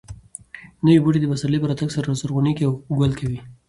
نوي بوټي د پسرلي په راتګ سره زرغونېږي او ګل کوي.